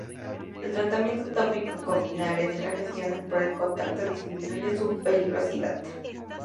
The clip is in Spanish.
El tratamiento tópico con vinagre de las lesiones por contacto disminuye su peligrosidad.